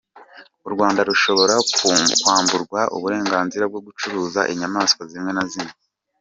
U Rwanda rushobora kwamburwa uburenganzira bwo gucuruza inyamaswa zimwe na zimwe